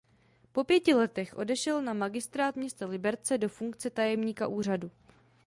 Po pěti letech odešel na Magistrát města Liberce do funkce tajemníka úřadu.